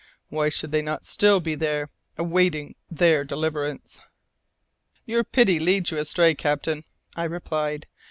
Why should they not still be there, awaiting their deliverance?" "Your pity leads you astray, captain," I replied.